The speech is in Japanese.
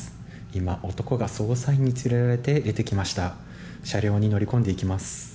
今、男が捜査員に連れられて出てきました。